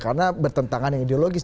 karena bertentangan yang ideologis